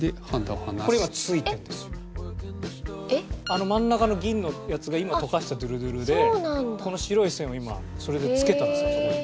あの真ん中の銀のやつが今溶かしたドゥルドゥルでこの白い線を今それで付けたんですよ。